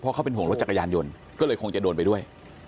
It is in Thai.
เขาเป็นห่วงรถจักรยานยนต์ก็เลยคงจะโดนไปด้วย